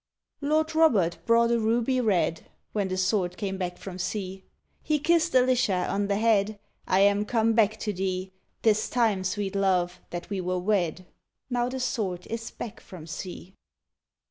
_ Lord Robert brought a ruby red, When the Sword came back from sea; He kissed Alicia on the head: I am come back to thee; 'Tis time, sweet love, that we were wed, _Now the Sword is back from sea!